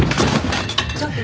ちょっと。